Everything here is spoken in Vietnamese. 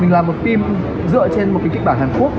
mình là một phim dựa trên một cái kịch bản hàn quốc